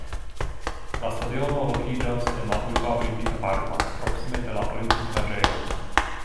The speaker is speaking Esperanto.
La stadiono lokiĝas en la urba Olimpika Parko, proksime de la Olimpika Naĝejo.